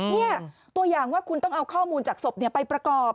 นี่ตัวอย่างว่าคุณต้องเอาข้อมูลจากศพไปประกอบ